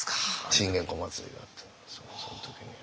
信玄公祭りがあってその時には。